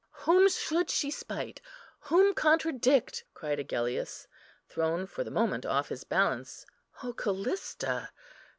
"Whom should she spite? whom contradict?" cried Agellius, thrown for the moment off his balance. "O Callista!